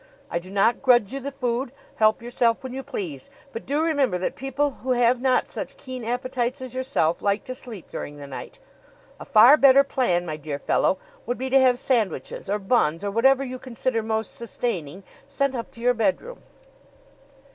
I do not grudge you the food help yourself when you please but do remember that people who have not such keen appetites as yourself like to sleep during the night. A far better plan, my dear fellow, would be to have sandwiches or buns or whatever you consider most sustaining sent up to your bedroom."